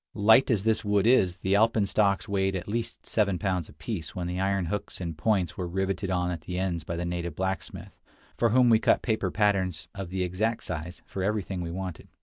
Light as this wood is, the alpenstocks weighed at least seven pounds apiece when the iron hooks and points were riveted on at the ends by the native blacksmith, for whom we cut paper patterns, of the exact size, for everything we wanted.